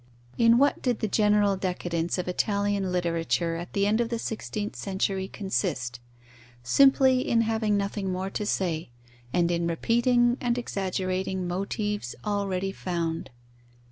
In what did the general decadence of Italian literature at the end of the sixteenth century consist? Simply in having nothing more to say, and in repeating and exaggerating motives already found.